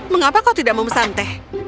mengapa kau tidak mau mesan teh